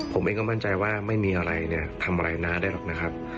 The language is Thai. ผมเองก็มั่นใจว่าไม่มีอะไรเนี่ยทำอะไรน้าได้หรอกนะครับ